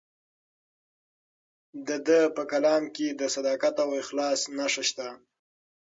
د ده په کلام کې د صداقت او اخلاص نښې شته.